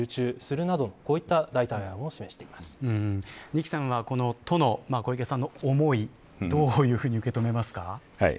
二木さんはこの都の小池さんの思いどういうふうに受け止めますか。